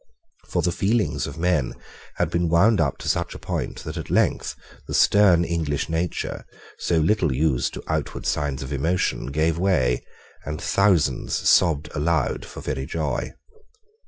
For the feelings of men had been wound up to such a point that at length the stern English nature, so little used to outward signs of emotion, gave way, and thousands sobbed aloud for very joy.